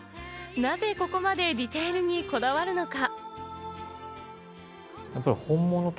なぜここまでディテールにこだわるのか？